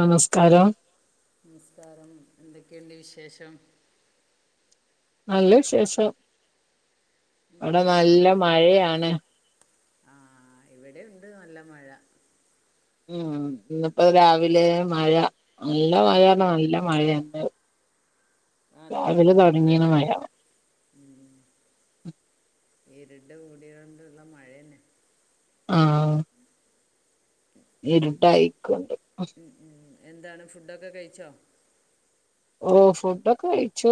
നമസ്കാരം നമസ്കാരം എന്തൊക്കെയുണ്ട് വിശേഷം നല്ല വിശേഷം ഇവിടെ എന്താണ് നല്ല മഴയാണ് ആഹ് ഇവിടെയുണ്ട് നല്ല മഴ ഉം ഇന്നിപ്പോ രാവിലെ മഴ നല്ല ഉം, മഴാണ് പറഞ്ഞ ഉം. നല്ല മഴണ് ഇപ്പൊ ആഹ് ഇന്നപ്പോ അതന്നെ മഴ ഇരുട് കുടിയോണ്ടുള്ള മഴന്നെ ആഹ് ഇരുടായിക്കണ്ട് മം മം എന്താണ് ഫുഡൊക്കെ കഴിച്ചോ ഓ ഫുഡൊക്കെ കഴിച്ചു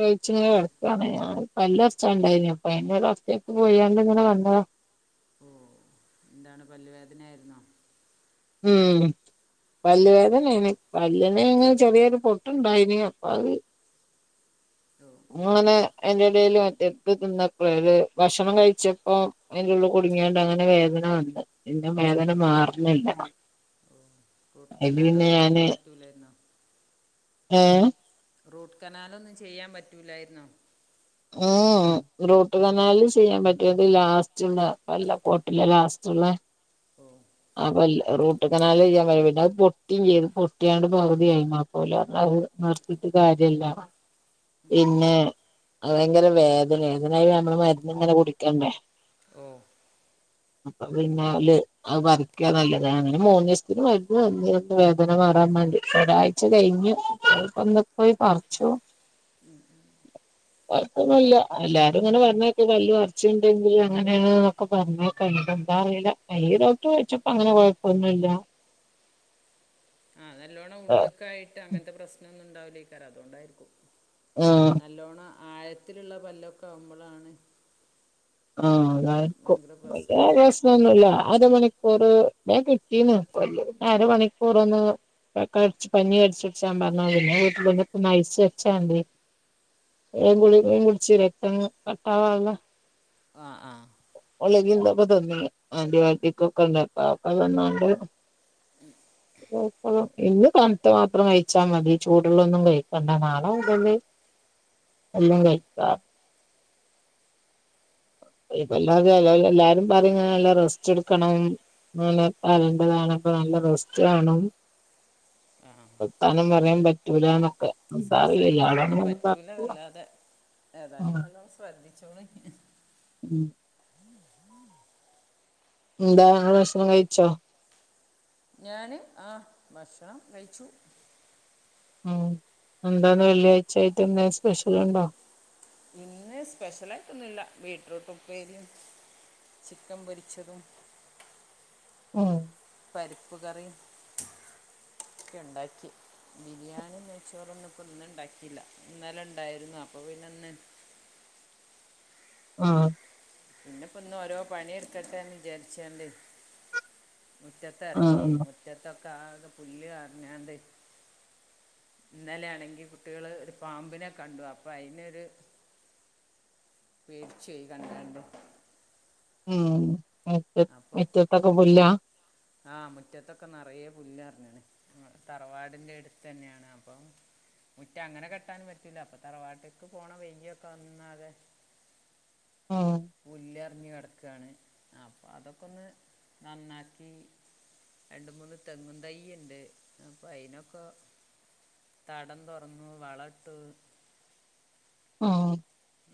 വെച്ചില്ലേ പനിമാരി പല്ല് പറിച്ചൊണ്ടായിരുന്നു അപ്പൊ അയിന്റെ ഡോക്ടറെ എടുത്ത് പോയാണ്ട് ഇങ്ങനെ വന്ന് ഓ എന്താണ് പല്ലുവേദന ആയിരുന്നോ ഉം പല്ലുവേദനയാണ് പല്ലുവേദന്നേണ്‌ പല്ലിന് ഇങ്ങനെ ചെറിയൊരു പൊട്ടുണ്ടായീന് അപ്പൊ അത് തോ മോനെ അയിന്റെ ഇടേല് മറ്റേ ഇത് തിന്നപ്പളെ ഭക്ഷണം കഴിച്ചപ്പോ അതിലുള്ളില് കുടുങ്ങിയണ്ട് അങ്ങനെ വേദന വന്നു പിന്നെ വേദന മാറുന്നില്ല അതില് പിന്നെ റൂട്ട്കനലൊന്നും റ ചെയ്യാൻ പറ്റൂലായിരുന്നോ ഏ റൂട്ട്കനാലൊന്നും ചെയ്യാൻ പറ്റൂല്ലായിരുന്നോ ഉം മം റൂട്ട്കനാല് ചെയ്യാൻ പറ്റത്തില്ല ലാസ്റ്റുള്ള പല്ലാ കോട്ടിലെ ലാസ്റ്റുള്ള ഓ ആ പല്ല് റൂട്ട്കനാല് ചെയ്യാൻ കഴുല്ല അത് പൊട്ടി വീണ് പൊട്ടിയത് പകുതിയായി ഓല് പറഞ്ഞ് അത് നിർത്തീട്ട് കാര്യല്ല പിന്നെ അത് ഭയങ്കര വേദന്നെന്ന്‌ പിന്നെ ആയിൻ നമ്മള് മരുന്ന് ഇങ്ങനെ കുടിക്കണ്ടേ ഓ അപ്പൊ പിന്നെ ഓല് അത് പറിക്കാ നല്ലത് അങ്ങനെ മൂന്നിസത്തിന് മരുന്ന് തന്ന് വേദന മാറാൻ വേണ്ടി ഒരാഴ്ച കഴിഞ്ഞു അങ്ങനെ ഇപ്പൊ ഇന്ന് പോയി പറിച്ചു ഉം കൊഴപ്പൊന്നൂല്ലാ എല്ലാരും ഇങ്ങനെ പറഞ്ഞ് കേട്ട് പല്ല് പറിച്ചിട്ടിണ്ടെങ്കി അങ്ങനെന്നൊക്കെ ഒക്കെ പറഞ്ഞേക്ക എന്താ അറിയില്ല ഈ ഡോക്ടർ ചോച്ചപ്പോ അങ്ങനെ കൊഴപ്പൊന്നൂല്ലാ ആഹ് നല്ലോണം ആഹ് ഉള്ളുക്കായീട്ട് അങ്ങനത്തെ പ്രശനൊന്നൂണ്ടാവില്ലേക്കാരം അതുകൊണ്ടായിരിക്കും നല്ലോണം ആഴത്തിലുള്ള പല്ലൊക്കെ ആവുമ്പളാണ് ആഹ് അതായിരിക്കും ഭയങ്കര വെല്ല്യ പ്രശ്നമായിക്കണത് പ്രശ്നോന്നുമില്ലാ അരമണിക്കൂർ ഞാൻ കിട്ടീന്ന് വെല്ല്യ അരമണിക്കൂരൊന്ന് ഇതക്ക അടിച്ച് പഞ്ഞി കടിച്ചുപിടിച്ച പറഞ്ഞ പിന്നെ വീട്ടില് വന്നപ്പോ ഐസ് വെച്ചാ കണ്ടിനീ ഏ ഗുളികിം കുടിച്ചില്ലേ അപ്പൊ ഇനി കട്ടവള്ളം ആഹ് ആഹ് ഓളേക്കെന്തപ്പ തിന്നിന് ആന്റിബയോട്ടിക് ഒക്കെ ഉണ്ടാക്ക പാപ്പൽവന്നാണ്ട് ഇന്ന് തണുത്ത മാത്രം കഴിച്ചാൽ മതി ചൂടുള്ളതൊന്നും കഴിക്കണ്ടനാള മുതല് എല്ലാം കഴിക്കാ ഇപ്പല്ലാതെ എല്ലാരു എല്ലാരും പറഞ്ഞാ നല്ല റസ്‌റ്റെടുക്കണം അങ്ങനെപ്പ അരണ്ടതാണപ്പ നല്ല റസ്റ്റ് വേണം ആ വാർത്തനം പറയാൻ പറ്റൂലാന്നൊക്കെ സംസാരിക്കാനൊന്നും പറ്റൂല വല്ലാതെ ഏതായാലും നല്ലോണം ശ്രദ്ധിച്ചോണ് ഉം എന്താ ആ ഭഷ്ണം കഴിച്ചോ? ഞാന് ആ ഭക്ഷണം കഴിച്ചു. ഉം എന്താന്ന് വെള്ളിയാഴ്ച ആയിട്ട് എന്താ സ്പെഷ്യലുണ്ടോ ഇന്ന് സ്പെഷ്യലായിട്ടൊന്നുമില്ല ബീറ്റ്റൂട്ട് ഉപ്പേരിം ചിക്കൻ പൊരിച്ചതും [unintelligible] പരിപ്പ് കറിയും ഒക്കെണ്ടാക്കി ബിരിയാണീം നെയ്ചോറൊന്നും ഇപ്പൊ ഇന്ന് ഉണ്ടാക്കില്ല ഇന്നലെ ഉണ്ടായിരുന്നു അപ്പൊ പിന്നെ ഇന്ന് ആഹ് പിന്നെപ്പോ ഇന്ന് ഓരോ പണി എടുക്കട്ടെന്ന് വിജാരിച്ചോണ്ട് മുറ്റത്ത് ആഹ് ഇറങ്ങിയേന് മുറ്റത്തൊക്കെ ആക പുല്ല് കാരഞ്ഞാണ്ട് ഇന്നലൊണെങ്കിൽ കുട്ടികള് ഒരു പാമ്പിനെ കണ്ടു അപ്പൊ അയിനൊരു പേടിച്ചോയി കണ്ട് കണ്ട് ഉം മിറ്റത് മിറ്റത്തക്ക പുല്ലാ ആഹ് മുറ്റത്തൊക്കെ നിറയെ പുല്ലാന്നങ്ങനെ തറവാടിന്റെ അടുത്ത് തന്നെയാണ് അപ്പം മുറ്റ അങ്ങനെ കെട്ടാനും പറ്റൂല അപ്പൊ തറവാട്ടിക്ക് പോണ വെല്യാക്ക വന്നാകെ ഉം പുല്ലെറിഞ്ഞ് കിടക്കാണ് അപ്പൊ അതൊക്കെ ഒന്ന് നന്നാ കീ രണ്ട് മൂന്ന് തെങ്ങുതൈ ഉണ്ട് അപ്പൊ അയിനൊക്കൊ തടം തുറന്നു വളം ഇട്ടു ഓ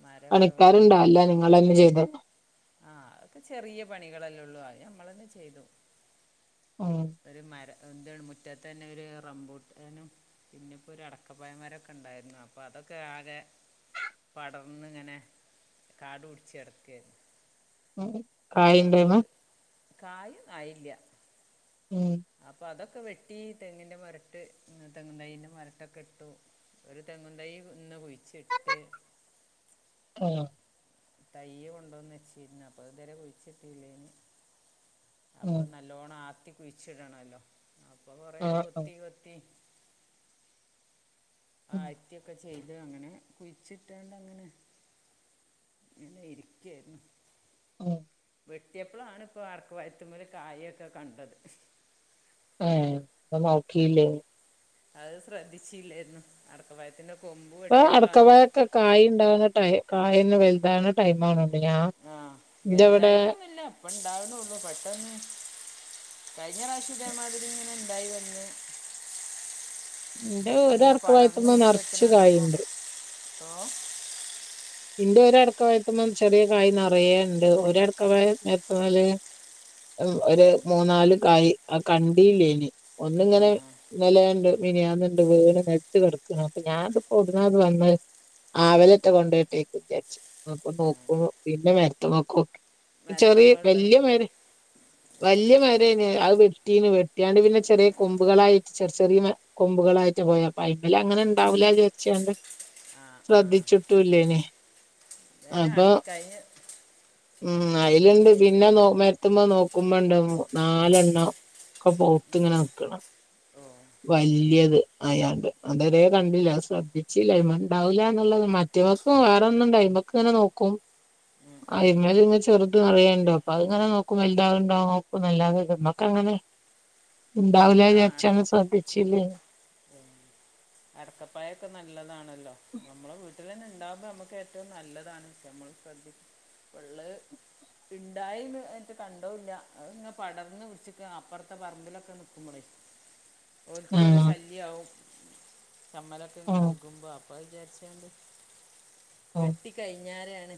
മരമൊക്കെ വെട്ടി പണിക്കാരുണ്ടാ അല്ല നിങ്ങളന്നെ ചെയ്തേ ആ അതൊക്കെ ചെറിയ പണികളല്ലേ ഉള്ളു ആ ഞമ്മളന്നെ ചെയ്തു. മ്മ് ഒരു മരം എന്താണ് മുറ്റത്ത് തന്നെ ഒരു റംബൂട്ടാനും പിന്നെ ഇപ്പോ ഒരു അടക്കപ്പഴമരം ഒക്കെ ഉണ്ടായിരുന്നു അപ്പൊ അതൊക്കെ ആകെ പടർന്നിങ്ങനെ കാട് പിടിച്ച് കെടക്കേരുന്നു അപ്പൊ കായിണ്ടായിമെ അതൊക്ക് കായും ആയില്ല ഉം അപ്പൊ അതൊക്കെ വെട്ടി തെങ്ങിന്റെ മരത്ത് തെങ്ങി തൈന്റെ മരട്ടക്കെ ഇട്ടു ഒരു തെങ്ങുതൈ ഇന്ന് കുഴിച്ചിട്ട് ആഹ് തയ്യ് കൊണ്ടോന്ന് വെച്ചിന്ന് അപ്പൊ തരെ കുഴിച്ചിട്ടില്ലേനു അപ്പൊ ഉം ന നല്ലോണം ആത്തി കുഴിച്ചിടണല്ലോ അപ്പൊ കൊറേ ആഹ് ആഹ് കൊത്തി കൊത്തി ഉം ആറ്റിയൊക്കെ ചെയ്ത് അങ്ങനെ കുഴിച്ചിട്ട്ണ്ടങ്ങനെ ങ്ങനെ ഇരിക്കുവേരുന്നു ഓ വെട്ടിയപ്പളാണ് ഇപ്പോ ആർക്ക് വരുത്തുമല് കായയൊക്കെ കണ്ടത് ആ അപ്പ നോക്കിയില്ലേ അത് ശ്രദ്ധിച്ചില്ലാര്ന്നു അടക്കപായത്തിന്റെ കൊമ്പ് ഇപ്പൊ വെട്ടിയപ്പളാണ് അടക്കവാഴൊക്കെ കായ് ഉണ്ടാവുന്ന ടൈ കായന്ന് വല്താവുന്ന ടൈം ആണോണ്ട് ഞാ ആഹ് വെല്തായ്ട്ടൊന്നില്ല ഇപ്പ ഇണ്ടാവുന്നുള്ളു പെട്ടെന്ന് കഴിഞ്ഞ പ്രാവശ്യം ഇതേമാതിരി ഇങ്ങനെ ഇണ്ടായി വന്നു എന്റെ ഒരു അല്ലാ പടർന്ന് അടക്കവാഴത്തുമ്മെ മുറ്ചെക്കണ നിറച്ച് കണ്ടപ്പൊ കായുണ്ട് [unintelligible] ഇന്റെ ഒരടക്ക വയത്തുമ്പോ ചെറിയ കായ നറയെ ഇണ്ട് ഒരടക്ക പയ എത്ത്പല് ഉം ഒര് മൂന്നാല് കായ് ആ കണ്ടില്ലേനി ഒന്നിങ്ങനെ ഇന്നലെയണ്ട് മിനിയാന്നിണ്ട് വീണ് നെൽത് കെടക്കണ അപ്പ ഞാ നിപതാവ്ടന്നാ വന്ന് ആവിലത്തെ കൊണ്ടെ ഇട്ടെകു വിചാര്ച് അപ്പൊ നോക്കും പിന്നെ മരത്ത് മക്ക് നോക്കി ചെറിയ മരത്തുമ്പോഴുള്ള വെല്യ മര് വല്യ മരനെ അത് വെട്ടീന്ന് വെട്ടിയാണ്ട് പിന്നെ ചെറിയ കൊമ്പുകളായിട്ട് ചെറി ചെറിയമെ കൊമ്പുകളായിട്ട് പോയപ്പ അയ്മേലെ അങ്ങനെ ഇണ്ടാവൂലാന്ന് വിജാരിച്ച് ങ്ങാണ് ആ ആ ശ്രദ്ധിച്ചിട്ടുഇല്ലേനെ ഇതന്നെ അപ്പൊ അടുക്കളയിൽ ഉം അയ്ലുണ്ട് വെട്ടിയേന് പിന്നെ നോ മര മരത്ത് മേനോക്കുമ്പോ ഇണ്ടാവും നാലെണ്ണ ഒക്കെ പൊവുത്തിങ്ങനെ നിക്കണ് ഓ വല്യത് അയാണ്ട് അതരേ കണ്ടില്ല ശ്രദ്ധിച്ചില്ല ഇമണ്ടാവില്ല എന്നുള്ളത് മ കുറ്റിയമക്കും വേറെ ഒന്നുണ്ടായ് മക്ക് ഇങ്ങനെ നോക്കും ഉം, ഉം. അയ്മെൽ ഇങ്ങനെ ചെറ്ത് നറയുണ്ടോ അപ്പൊ അതിങ്ങനെ നോക്കും വെല്താവുണ്ടാ നോക്കും അല്ലാതെ ഇത്മ്മക്കങ്ങനെ [inaudible] ഇണ്ടാവില്ല വിചാരിച് നമ്മ്ള് ശ്രെദ്ധിച്ചില്ലെ ഉ [inaudible] അടക്കപ്പായൊക്കെ നല്ലതാണല്ലോ നമ്മളെ വീട്ടില് തന്നെ ഇണ്ടാമ്പ നമ്മക്ക് ഏറ്റവും നല്ലതാണ് നമ്മള് ശ്രദ്ധി ഇപ്പള്ളത് ഇണ്ടായന്ന് എന്ട്ട് കണ്ടോ ഇല്ല അത്ങ്ങനെ പടർന്ന് വിളിച്ചിക് അപ്പറ്ത്തെ പറമ്പിലൊക്കെ നിക്കുമ്പളേ ഓല്കൊരു ആഹ് ശല്യാവും ചമ്മലൊക്കെ ഇങ്ങ് ആഹ് വെകുമ്പ അപ്പ വിചാരിച്ചണ്ട് ആഹ് വെട്ടി കൈഞ്ഞാരാണ്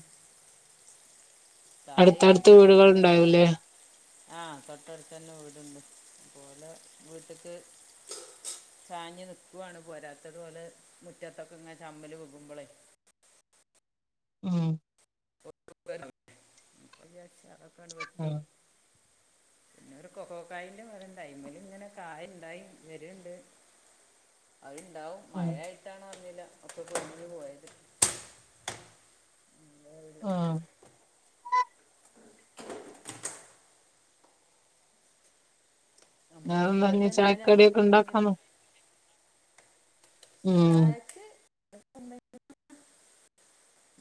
അടുത്തടുത് വേണ്ടത് വീടുകളുണ്ടാവൂല്ലേ ആ തൊട്ടട്തന്നെ വീടുണ്ട് ഓലെ വീട്ട്ക്ക് ചാഞ്ഞ് നിക്കുവാണ് പോരാത്തതു പോലെ മുറ്റത്തൊക്കെ ഇങ്ങനെ ചമ്മല് വികുമ്പളെ ഉം [unintelligible] അതൊക്കെങ് വെട്ടി ആഹ് പിന്നെ ഒരു കൊക്കോ കായ്ന്റെ മര ഇണ്ടായി അത്മേലിങ്ങനെ കായ ഇണ്ടായി വര്ണ്ട് അയിണ്ടാവും മഴ ആഹ് ആയിട്ടാണൊ അറിഞ്ഞില്ല ഒക്കെ കൊഴിഞ്ഞ്പോയത് അറിയില്ല ആഹ് നമ്മളെ മുറ്റത്ത് തന്നെയാലും നമുക്ക് വേറെന്താചായക്കടിയൊക്കെ എന്തെങ്കിലും ഉണ്ടാക്കാമൊ ഉം ചായക്ക് [unintelligible]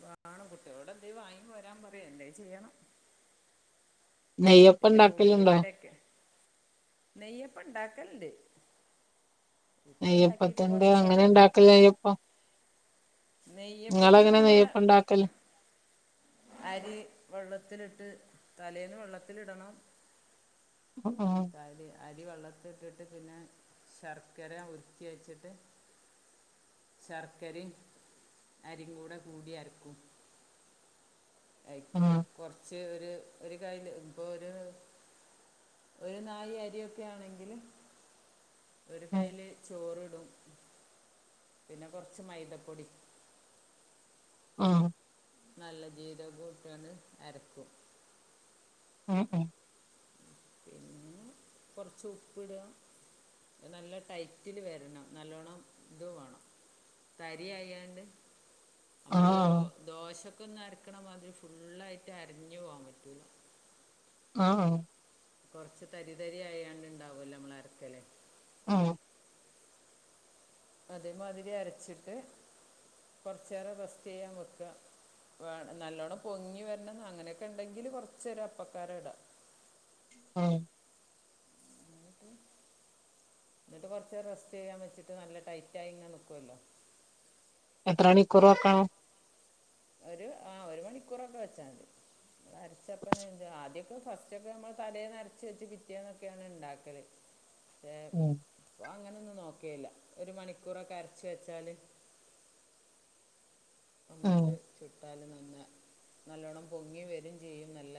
വാണം കുട്ടികോട് എന്തേയു വാങ്ങി വരാൻ പറയ് എന്തേ ചെയ്യണം നെയ്യപ്പം പിന്നെപ്പൊ ഉള്ളി ഉണ്ടാക്കലുണ്ടോ വടയൊക്കെ നെയ്യപ്പ ഇണ്ടാക്കലിണ്ട് നെയ്യപ്പ ഇണ്ടാക്കിട്ട് നെയ്യപ്പത്തിന്റെ കൊറച്ചായ അങ്ങനെ ഉണ്ടാക്കല് നെയ്യപ്പം നെയ്യപ്പത്തിന് നമ്മടെ ടാക്കല് അരി വെള്ളത്തിലിട്ട് തലേന്ന് വെള്ളത്തിലിടണം [inaudible] അരി അരി വെള്ളത്തി ഇട്ടിട്ട് പിന്നെ ശർക്കര ഉര്ക്കി വെച്ചിട്ട് ശർക്കരേം അരിം കൂടെ കൂടി അര്ക്കും അയ്ക്ക് ആഹ് കൊറ്ച്ച് ഒരു ഒരു കയ്ല്ഇപ്പൊ ഒരു ഒരു നായി അരിയൊക്കെ ആണങ്കില് ഒരു ആഹ് കയ്ല് ചോറ് ഇടും പിന്നെ കൊറച്ച് മൈദപ്പൊടി ആഹ് നല്ല ജീരകുട്ടാണ് അരക്കും ഉം ഉം പിന്നെ കൊറച്ച് ഉപ്പ്ട നല്ല ടൈറ്റില് വരണം നല്ലോണ്ണം ഇത് വാണം തരിയായാണ്ട് നമ്മള് ആഹ് ദോശക്കെന്ന് അരക്കണ മാതിരി ഫുള്ളായിട്ട് അരഞ്ഞു പോവാൻ പറ്റൂല ആഹ് ആഹ് കൊറച്ച് തരി തരി ആയാണ്ട് ഇണ്ടാവല്ലേ നമ്മള് അരക്കല് ആഹ് അതെ മതിരി അരച്ചിട്ട് കൊറച്ചോരം റസ്റ്റ് ചെയ്യാൻ വെക്ക വേ നല്ലോണ്ണം പൊങ്ങി വരണന്ന് അങ്ങനെക്കെ ഇണ്ടങ്കില് കൊറച്ച് അപ്പക്കാരം ഇടാ ആഹ് എന്നിട്ട് കൊറച്ചോരം റെസ്റ്റ് ചെയ്യാൻ വെച്ചിട്ട് നല്ല ടൈറ്റായിങ്ങനെ നിക്കുല്ലോ എത്ര മണിക്കൂറ് വെക്കണം ഒര് ആ ഒരു മണിക്കൂറൊക്കെ വെച്ചാൽ മതി അരച്ചപ്പന്നെ ചുടാ ആദ്യക്കെ ഫസ്റ്റ്ക്കെ നമ്മള് തലേനരച്ച് വെച്ച് പിറ്റേന്നെക്കെണ് ഇണ്ടാക്കല് ഏഹ് ഉം ഇപ്പ അങ്ങനൊന്നും നോക്കേല്ല ഒരു മണിക്കൂറൊക്കെ അരച്ച് വെച്ചാല് ഉം നമ്മക്ക് ചുട്ടാല് നന്ന് നല്ലോണ്ണം പൊങ്ങി വരും ചെയ്യും നല്ല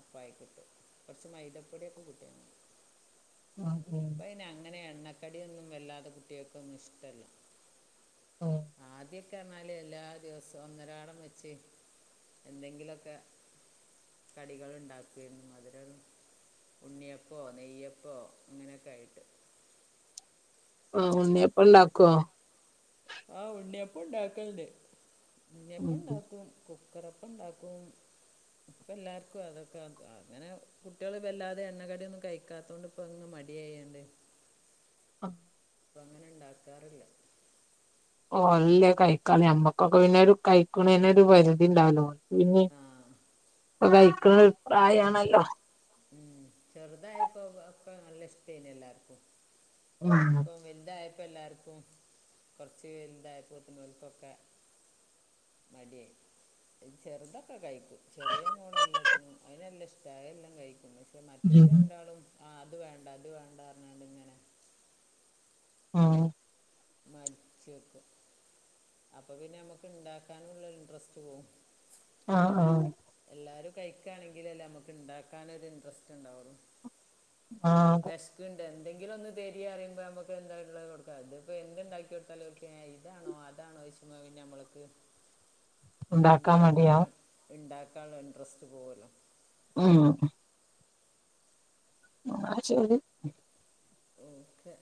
അപ്പായി കിട്ടും കുറച്ച് മൈദപ്പൊടിയൊക്കെ കൂട്ടും ആഹ് ഉമ് ഇപ്പ അങ്ങനെ എണ്ണക്കടിയൊന്നും വല്ലാതെ കുട്ട്യോക്കൊന്നും ഇഷ്ടല്ല ആഹ് ആദ്യക്കെ പറഞ്ഞാല് എല്ലാ ദിവസവും ഒന്നരാടം വച്ച് എന്തെങ്കിലെക്കെ കടികള് ഇണ്ടാക്കെനു മധുര ഉണ്ണിയപ്പോ നെയ്യപ്പോ അങ്ങനെക്കെ ആയിട്ട് ആഹ് ഉണ്ണിയപ്പം ഇണ്ടാക്കേ ആഹ് ഉണ്ണിയപ്പം ഇണ്ടാക്കൽണ്ട് ഉം ഉണ്ണിയപ്പണ്ടാക്കും കുക്കറപ്പണ്ടാക്കും ഇപ്പ എല്ലാർക്കും അതൊക്കെ അങ്ങനെ കുട്ട്യോള് വല്ലാതെ എണ്ണ കടിന്നും കഴിക്കാത്തേണ്ട് അപ്പെന്ന് മടിയായാണ്ട് ആഹ് ഇപ്പങ്ങനെ ഇണ്ടാക്കാറില്ല ഓലല്ലേ കഴിക്കാല് ഞമ്മക്കൊക്കെ പിന്നെ ഒരു കഴിക്ക്ണേന് ഒരു പരിധിണ്ടാവല്ലോ പിന്നെ ആ കഴിക്ക്ണ പ്രായാണല്ലോ ഉമ് ചെറുതായപ്പോ ഒക്ക നല്ല ഇഷ്ട്ടേനി എല്ലാർക്കും ഉമ് വെൽതായപ്പോ എല്ലാർക്കും കൊറച്ച് വെൽതായപ്പോത്തിന് ഓൽക്കെക്കെ മടിയായി ചെറ്തൊക്കെ കഴിക്കും ചെറിയ മോള് എല്ലത്തിനും അയ്ന് നല്ല ഇഷ്ട അത് എല്ലാം കഴിക്കും മറ്റേല് ഉം രണ്ടാളും ആഹ് അത് വേണ്ട അത് വേണ്ട പറഞ്ഞാണ്ടങ്ങനെ ആഹ് മട്ച്ചക്കും അപ്പൊ പിന്നെ നമക്ക് ഇണ്ടാക്കാനുള്ള ഇൻട്രസ്റ്റ് പോകും ആഹ് ആഹ് എല്ലാരും കഴിക്കാണങ്കിലല്ലെ നമക്ക് ഇണ്ടാക്കാനൊരു ഇൻറസ്റ്റ് ഇണ്ടാവെള്ളും ആഹ് വെഷ്ക്ക്ണ്ട് എന്തെങ്കിലും ഒന്ന് തരീന്നറിയുമ്പോ നമ്മക്ക് എന്താ ഇള്ളേ കൊടുക്കാം ഇത്പ്പം എന്ത് ഇണ്ടാക്കി കൊടുത്താലും ഓല് ഇതാണോ അതാണോ ചോയിച്ചുമ്പോ പിന്നെ നമ്മൾക്ക് ഉണ്ടാക്കാൻ ഇണ്ടാക്കാളെള മടിയാവും ഇണ്ടാക്കാളെ ഇൻട്രസ്റ്റ് പോവല്ലോ ആഹ് ആഹ് ശരി ഓക്കെ